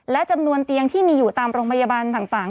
และจำนวนเตียงที่มีอยู่ตามโรงพยาบาลต่าง